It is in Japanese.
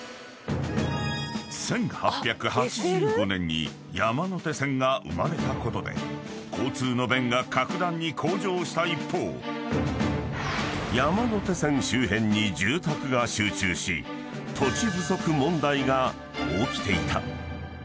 ［１８８５年に山手線が生まれたことで交通の便が格段に向上した一方山手線周辺に住宅が集中し土地不足問題が起きていた］